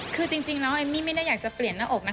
คือจริงน้องเอมมี่ไม่ได้อยากจะเปลี่ยนหน้าอกนะคะ